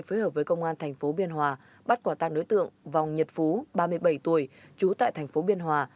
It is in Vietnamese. phối hợp với công an thành phố biên hòa bắt quả tang đối tượng vòng nhật phú ba mươi bảy tuổi trú tại thành phố biên hòa